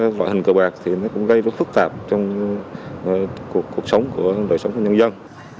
các loại hình cờ bạc cũng gây lúc phức tạp trong cuộc sống của đời sống của nhân dân